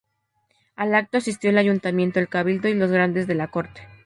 Al acto asistió el Ayuntamiento, el cabildo y los grandes de la Corte.